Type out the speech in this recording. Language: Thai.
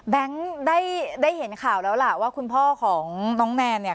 ได้ได้เห็นข่าวแล้วล่ะว่าคุณพ่อของน้องแนนเนี่ย